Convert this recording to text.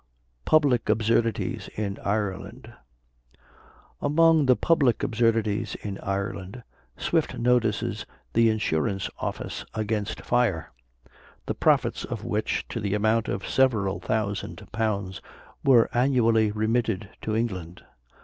PUBLIC ABSURDITIES IN IRELAND. Among the public absurdities in Ireland, Swift notices the insurance office against fire; the profits of which to the amount of several thousand pounds, were annually remitted to England.